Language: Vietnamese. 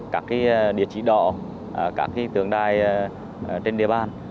các địa chỉ đỏ các tượng đài trên địa bàn